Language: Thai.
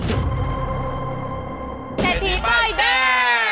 เซทีป้ายแดง